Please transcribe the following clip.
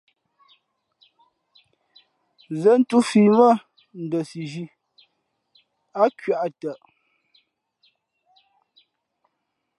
Zén thūfǐ mά Ndαsizhī, ǎ nkwē ǎ tαʼ.